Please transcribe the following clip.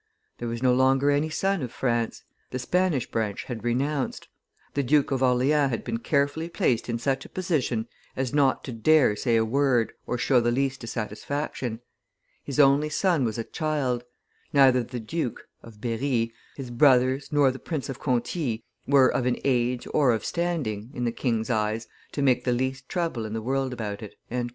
"There was no longer any son of France; the Spanish branch had renounced; the Duke of Orleans had been carefully placed in such a position as not to dare say a word or show the least dissatisfaction; his only son was a child; neither the Duke (of Berry), his brothers, nor the Prince of Conti, were of an age or of standing, in the king's eyes, to make the least trouble in the world about it.